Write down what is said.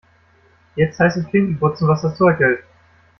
Jetzt heißt es Klinken putzen, was das Zeug hält.